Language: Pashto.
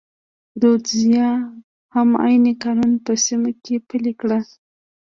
رودزیا هم عین قانون په سیمه کې پلی کړ.